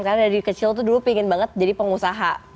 karena dari kecil tuh dulu pingin banget jadi pengusaha